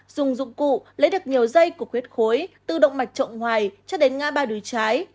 dùng dụng cụ lấy được nhiều dây của huyết khối từ động mạch trộn ngoài cho đến ngã ba đùi trái